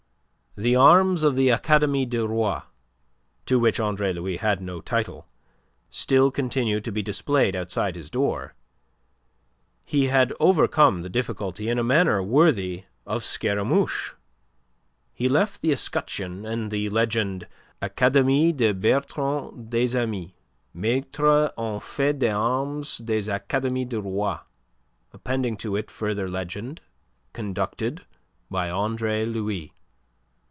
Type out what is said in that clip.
The arms of the Academie du Roi, to which Andre Louis had no title, still continued to be displayed outside his door. He had overcome the difficulty in a manner worthy of Scaramouche. He left the escutcheon and the legend "Academie de Bertrand des Amis, Maitre en fait d'Armes des Academies du Roi," appending to it the further legend: "Conducted by Andre Louis."